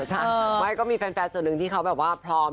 ใช่ไม่ก็มีแฟนส่วนหนึ่งที่เขาแบบว่าพร้อม